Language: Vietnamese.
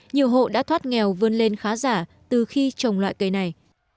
nhiều hộ đã thoát nghèo vươn lên khá giả từ khi trồng loại cây này